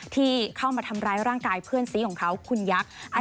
ที่เข้ามาทำร้ายร่างกายเพื่อนซีของเขาคุณยักษ์